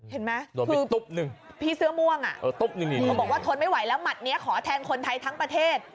เห็นไหมโดนตุ๊บหนึ่งพี่เสื้อม่วงเขาบอกว่าทนไม่ไหวแล้วหมัดนี้ขอแทนคนไทยทั้งประเทศ